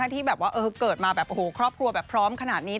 ที่แบบว่าเกิดมาแบบโอ้โหครอบครัวแบบพร้อมขนาดนี้